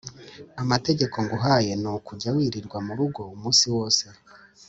Amategeko nguhaye nukujya wirirwa murgo umunsi wose